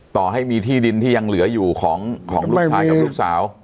ต่อให้มีที่ดินที่ยังเหลืออยู่ของลูกสาว